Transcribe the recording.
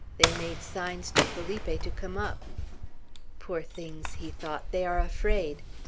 They made signs to Felipe to come up. "Poor things!" he thought; "they are afraid."